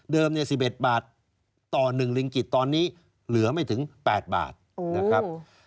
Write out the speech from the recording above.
๑๑บาทต่อ๑ลิงกิตตอนนี้เหลือไม่ถึง๘บาทนะครับ